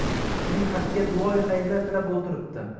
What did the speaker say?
Uning haqiga duoi xayrlar tilab oʻltiribdi